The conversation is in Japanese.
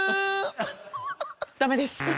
ダメです。